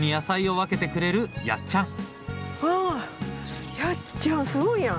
あやっちゃんすごいやん。